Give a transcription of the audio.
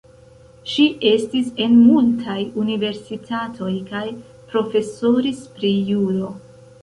Ŝi estis en multaj universitatoj kaj profesoris pri juro.